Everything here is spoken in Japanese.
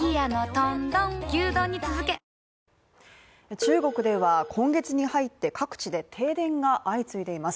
中国では今月に入って各地で停電が相次いでいます。